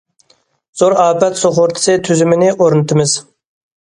زور ئاپەت سۇغۇرتىسى تۈزۈمىنى ئورنىتىمىز.